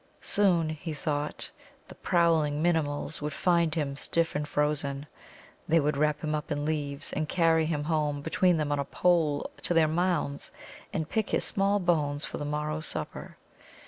Soon, he thought, the prowling Minimuls would find him, stiff and frozen. They would wrap him up in leaves, and carry him home between them on a pole to their mounds, and pick his small bones for the morrow's supper.